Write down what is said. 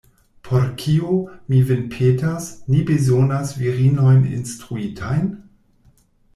Por kio, mi vin petas, ni bezonas virinojn instruitajn?